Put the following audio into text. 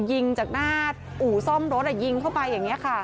ยิงจากหน้าอู่ซ่อมรถยิงเข้าไปอย่างนี้ค่ะ